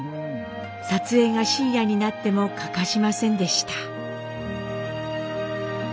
撮影が深夜になっても欠かしませんでした。